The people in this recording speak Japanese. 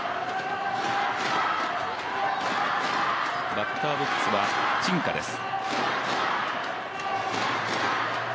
バッターボックスは陳佳です。